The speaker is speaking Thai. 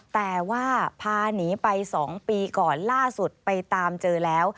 แต่ว่าพาหนีไป๒ปีก่อนล่าสุดไปตามเจอแล้ว